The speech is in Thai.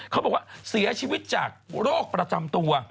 เขาบอกว่าเสียชีวิตจากโรคประจำตัว